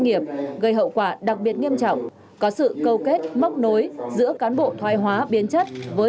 nghiệp gây hậu quả đặc biệt nghiêm trọng có sự câu kết móc nối giữa cán bộ thoái hóa biến chất với